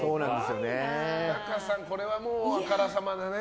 日高さん、これはあからさまなね。